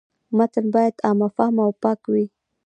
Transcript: متن باید عام فهمه او پاک وي.